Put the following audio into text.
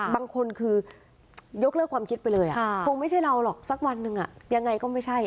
บางคนคือยกเลิกความคิดไปเลยคงไม่ใช่เราหรอกสักวันหนึ่งยังไงก็ไม่ใช่